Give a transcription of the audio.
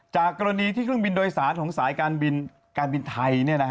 จากกรณีที่เครื่องบินโดยสารของสายการบินไทย